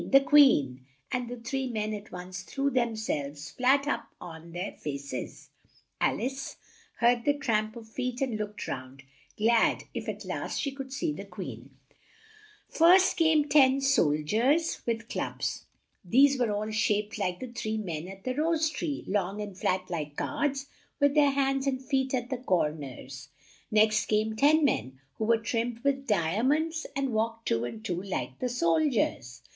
the Queen!" and the three men at once threw them selves flat up on their fa ces. Al ice heard the tramp of feet and looked round, glad if at last she could see the Queen. First came ten sol diers with clubs; these were all shaped like the three men at the rose tree, long and flat like cards, with their hands and feet at the cor ners; next came ten men who were trimmed with di a monds and walked two and two like the sol diers.